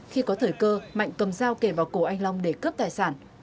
khi có thời cơ mạnh cầm dao kể vào cổ anh long để cướp tài sản